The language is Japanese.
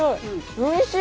おいしい！